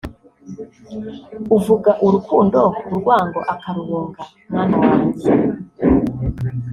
uvuga urukundo urwango akaruhunga…mwana wanjye